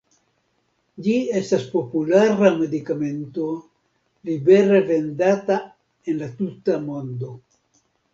Ĝi estas populara medikamento libere vendata en la tuta mondo.